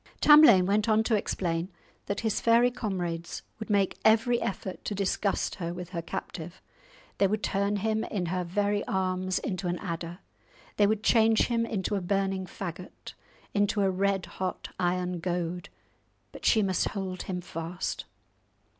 Tamlane went on to explain that his fairy comrades would make every effort to disgust her with her captive. They would turn him in her very arms into an adder; they would change him into a burning faggot, into a red hot iron goad, but she must hold him fast.